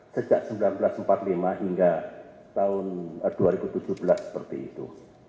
sejak seribu sembilan ratus empat puluh lima hingga tahun dua ribu tujuh belas seperti itu